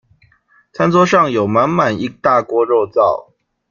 餐桌上有滿滿一大鍋肉燥